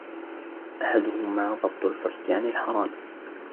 أَحَدُهُمَا ضَبْطُ الْفَرْجِ عَنْ الْحَرَامِ